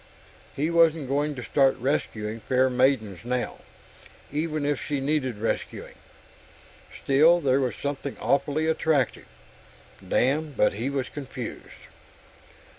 He wasn't going to start rescuing fair maidens now even if she needed rescuing. Still, there was something awfully attractive.... Damn, but he was confused!